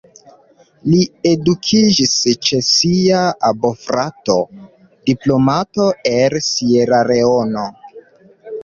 Li edukiĝis ĉe sia bofrato, diplomato el Sieraleono.